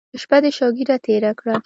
شپه دې شوګیره تېره کړه.